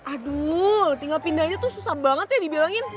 aduh tinggal pindahnya tuh susah banget ya dibilangin